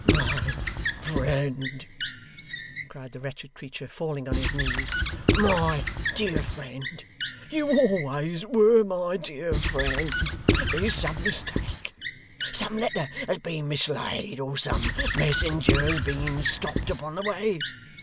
'My friend,' cried the wretched creature, falling on his knees, 'my dear friend you always were my dear friend there's some mistake. Some letter has been mislaid, or some messenger has been stopped upon the way.